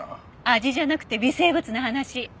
味じゃなくて微生物の話。はあ？